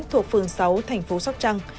thuộc phường sáu thành phố sóc trăng